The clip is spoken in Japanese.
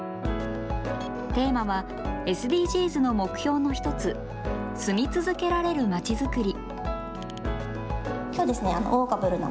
テーマはＳＤＧｓの目標の１つ、住み続けられるまちづくり。